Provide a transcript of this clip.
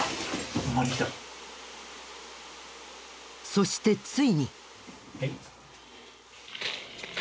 そしてついに。